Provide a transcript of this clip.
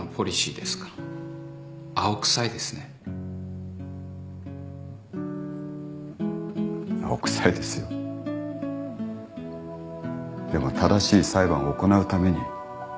でも正しい裁判を行うために譲れません。